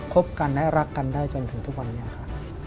บกันและรักกันได้จนถึงทุกวันนี้ค่ะ